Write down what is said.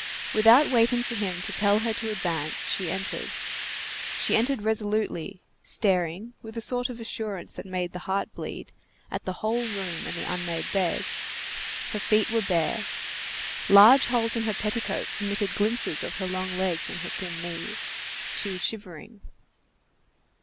Without waiting for him to tell her to advance, she entered. She entered resolutely, staring, with a sort of assurance that made the heart bleed, at the whole room and the unmade bed. Her feet were bare. Large holes in her petticoat permitted glimpses of her long legs and her thin knees. She was shivering.